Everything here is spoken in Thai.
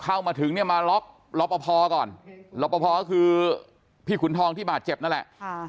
เข้ามาถึงมาล็อคลบรภพก่อนล็อคลบรภพก็คือพี่ขุนทองที่บาดเจ็บนั่นแหละ